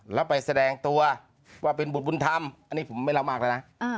แล้วไปแสดงตัวว่าเป็นบุตรบุญธรรมอันนี้ผมไม่เล่ามากแล้วนะ